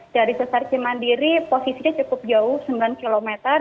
dari sesar cimandiri posisinya cukup jauh sembilan km